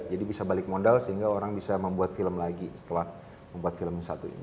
jadi bisa balik modal sehingga orang bisa membuat film lagi setelah membuat film yang satu ini